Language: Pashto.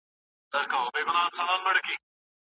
کشکي نه وای په رباب کي شرنګېدلی